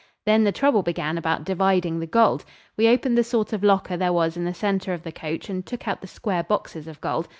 Then the trouble began about dividing the gold. We opened the sort of locker there was in the centre of the coach and took out the square boxes of gold.